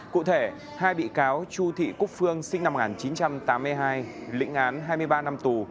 cụ thể hai bị cáo chu thị cúc phương sinh năm một nghìn chín trăm tám mươi hai lĩnh án hai mươi ba năm tù